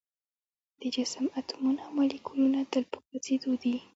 د جسم اتومونه او مالیکولونه تل په خوځیدو دي.